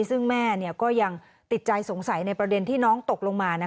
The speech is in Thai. ซึ่งแม่ก็ยังติดใจสงสัยในประเด็นที่น้องตกลงมา